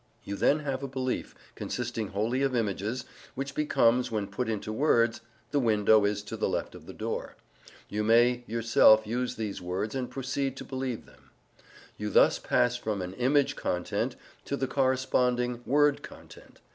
You then have a belief, consisting wholly of images, which becomes, when put into words, "the window is to the left of the door." You may yourself use these words and proceed to believe them. You thus pass from an image content to the corresponding word content.